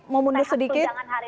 mau mundur sedikit